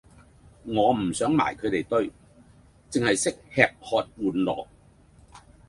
我唔想埋佢地堆，剩係識吃喝玩樂